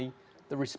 dengan tentu saja